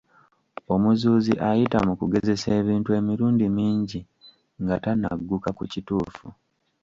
Omuzuuzi ayita mu kugezesa ebintu emirundi mingi nga tannagguka ku kituufu.